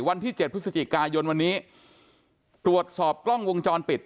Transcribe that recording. วันที่เจ็ดพฤศจิกายนวันนี้ตรวจสอบกล้องวงจรปิด